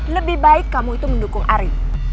lebih baik kamu itu mendukung ari